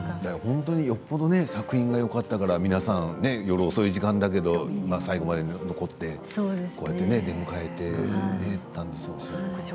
よっぽど作品がよかったから皆さん、夜遅い時間だけど最後まで残って出迎えていたんでしょうし。